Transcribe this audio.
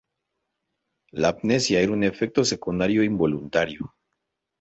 La amnesia era un efecto secundario involuntario.